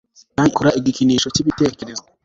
Kandi ikora igikinisho cyibitekerezo